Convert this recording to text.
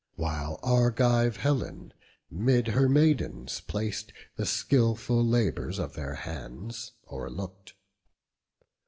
While Argive Helen, 'mid her maidens plac'd, The skilful labours of their hands o'erlook'd.